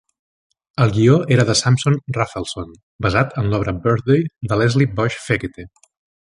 El guió era de Samson Raphaelson, basat en l'obra "Birthday" de Leslie Bush-Fekete.